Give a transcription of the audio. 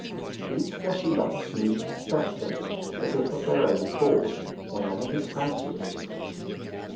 These fleshy lumps moved stealthily, as if of their own accord, whenever his fancy was tickled.